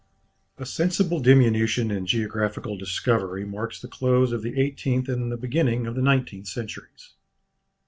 A sensible diminution in geographical discovery marks the close of the eighteenth and the beginning of the nineteenth centuries.